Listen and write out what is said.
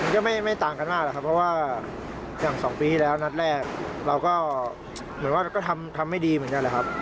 ก็ไม่ต่างกันมากครับเพราะว่าอย่าง๒ปีที่แล้วเราทำให้ดีมันยังได้ครับ